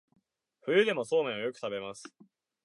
冬でもそうめんをよく食べます